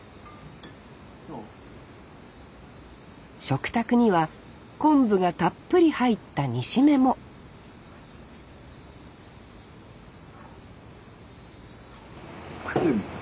食卓には昆布がたっぷり入った煮しめも食ってみ。